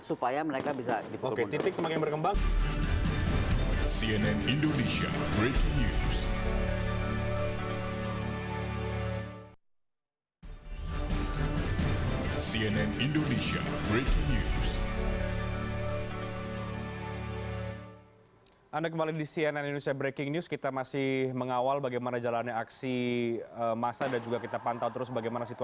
supaya mereka bisa dipotong